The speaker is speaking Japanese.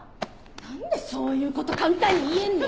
何でそういうこと簡単に言えんの？